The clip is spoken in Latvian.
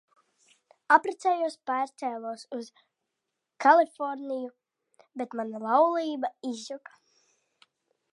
Apprecējos, pārcēlos uz Kaliforniju, bet mana laulība izjuka.